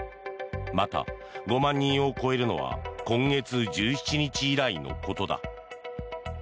また、５万人を超えるのは今月１７日以来のことだ。